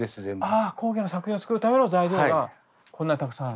ああ工芸の作品を作るための材料がこんなにたくさんある。